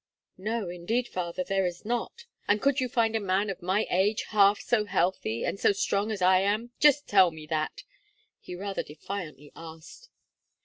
"No, indeed, father, there is not." "And could you find a man of my age half so healthy, and so strong as I am just tell me that?" he rather defiantly asked.